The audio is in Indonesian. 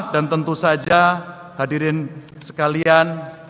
dan tentu saja hadirin sekalian